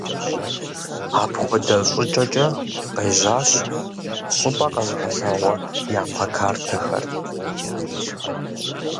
Апхуэдэ щӀыкӀэкӀэ къежьащ щӀыпӀэ къэзыгъэлъагъуэ япэ картэхэр.